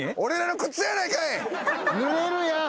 ぬれるやん。